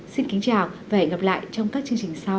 xin kính chào và hẹn gặp lại trong các chương trình sau